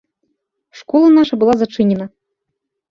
Школа наша была зачынена.